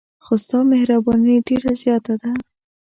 خو ستا مهرباني ډېره زیاته ده.